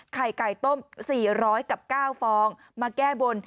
ไข่ไก่ต้ม๔๐๐กับ๙ฟองมาแก้บน